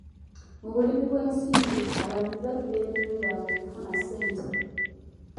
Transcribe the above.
Mu bulimi bw'esimbi, abalimi batunda ebirime byabwe okufuna ssente .